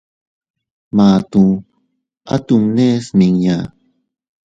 Matuu ¿A tomne smiña?